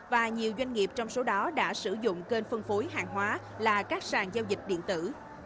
và nhiều doanh nghiệp trong số đó đã sử dụng kênh phân phối hàng hóa là các sàn giao dịch điện tử